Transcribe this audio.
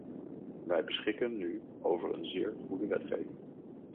Wij beschikken nu over een zeer goede wetgeving.